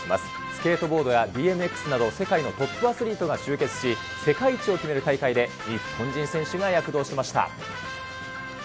スケートボードやＢＭＸなど、世界のトップアスリートが集結し、世界一を決める大会で、日本人選手が躍動しました。